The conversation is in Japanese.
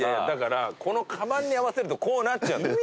だからこのかばんに合わせるとこうなっちゃう。